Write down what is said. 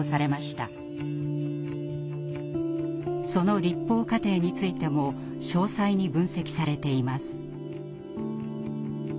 その立法過程についても詳細に分析されています。